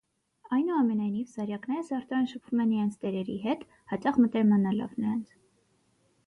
Այնուամենայնիվ, սարյակները սերտորեն շփվում են իրենց տերերի հետ՝ հաճախ մտերմանալով նրանց։